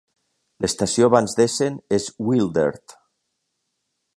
L'estació abans d'Essen és Wildert.